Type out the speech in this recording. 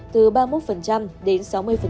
từ ba mươi một đến sáu mươi